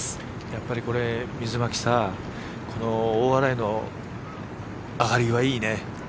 やっぱりこれ、水巻さこの大洗の上がりはいいね。